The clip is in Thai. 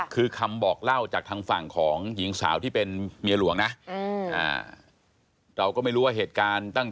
เข้าตรงสะโพกค่ะ